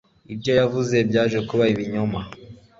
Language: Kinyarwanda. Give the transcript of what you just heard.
ibyo yavuze byaje kuba ibinyoma